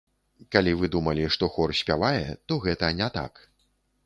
Калі вы думалі, што хор спявае, то гэта не так.